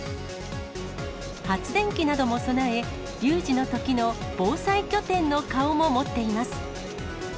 発電機なども備え、有事のときの防災拠点の顔も持っています。